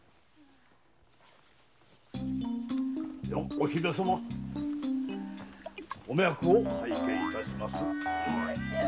お姫様お脈を拝見いたしまする。